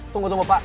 tunggu tunggu pak